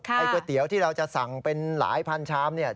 ไอ้ก๋วยเตี๋ยวที่เราจะสั่งเป็นหลายพันช้ำ